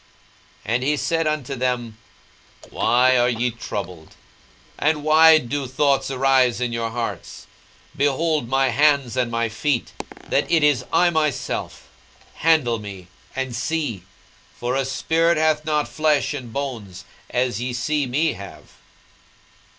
42:024:038 And he said unto them, Why are ye troubled? and why do thoughts arise in your hearts? 42:024:039 Behold my hands and my feet, that it is I myself: handle me, and see; for a spirit hath not flesh and bones, as ye see me have.